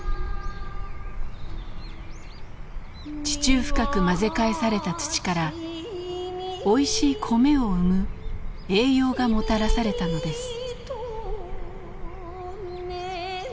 地中深く混ぜ返された土からおいしい米を生む栄養がもたらされたのです。